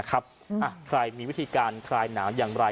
ใครมีวิธีการคลายหนาวอย่างไร